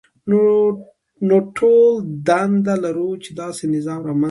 نو ټول دنده لرو چې داسې نظام رامنځته کړو.